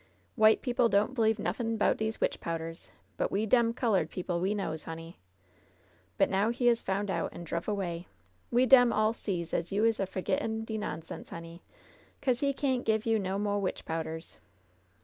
W'ite people don't believe nuflSn 'bout dese witch powders, but we dem colored people we knows, honey. But now he is f oun' out an' druv away, we dem all sees as you is a fo'gettin' de nonsense, honey, 'cause he can't give you no mo' witch powders.